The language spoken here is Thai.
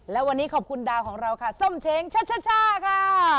และวันนี้ขอบคุณดาวของเราค่ะส้มเช้งชัชช่าค่ะ